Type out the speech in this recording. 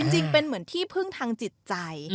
จริงเป็นเหมือนที่พึ่งทางจิตใจ